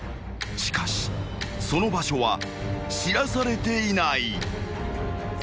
［しかしその場所は知らされていない］